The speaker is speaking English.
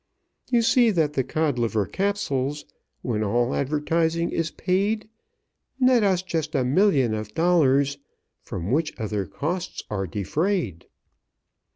"You see that the Codliver Capsules, When all advertising is paid, Net us just a million of dollars, From which other costs are defrayed.